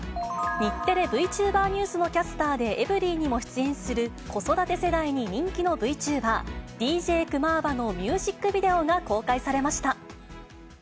日テレＶチューバーニュースのキャスターでエブリィにも出演する子育て世代に人気のＶチューバー、ＤＪクマーバのミュージックビデオが公開されました。